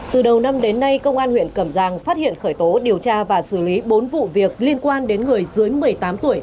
từ đầu năm đến nay công an huyện cẩm giang phát hiện khởi tố điều tra và xử lý bốn vụ việc liên quan đến người dưới một mươi tám tuổi